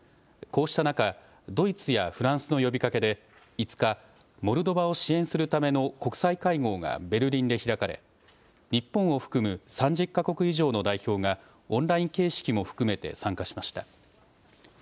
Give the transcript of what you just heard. こうした中、ドイツやフランスの呼びかけで５日、モルドバを支援するための国際会合がベルリンで開かれ日本を含む３０か国以上の代表がオンライン形式も含めて参加しました。